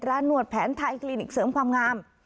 หนวดแผนไทยคลินิกเสริมความงาม